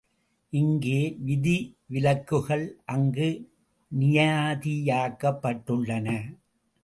இங்கே விதிவிலக்குகள் அங்கு நியதியாக்கப்பட்டுள்ளன.